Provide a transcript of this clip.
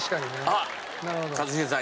あっ一茂さん